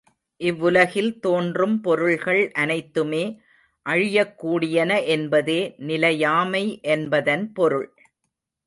இவ்வுலகில் தோன்றும் பொருள்கள் அனைத்துமே அழியக் கூடியன என்பதே நிலையாமை என்பதன் பொருள்.